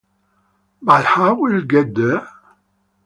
But how will we get there?